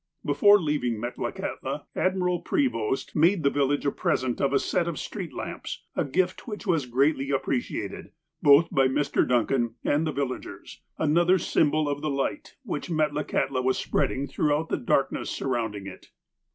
" Before leaving Metlakahtla, Admiral Prevost made the village a present of a set of street lamps, a gift whieli was greatly appreciated, both by Mr. Duncan and the vil lagers — another symbol of the light which Metlakahtla was spreading through the darkness surrounding it.